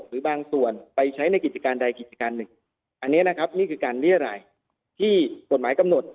หรือบางส่วนไปใช้ในกิจการใดกิจการหนึ่งอันนี้นะครับนี่คือการเรียรายที่กฎหมายกำหนด